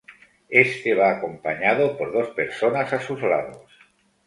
Éste va acompañado por dos personas a sus lados.